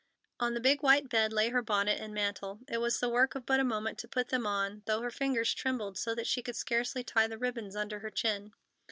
On the big white bed lay her bonnet and mantle. It was the work of but a moment to put them on, though her fingers trembled so that she could scarcely tie the ribbons under her chin.